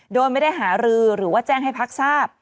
โดยไม่ได้หารือหรือว่าแจ้งให้พักทราบ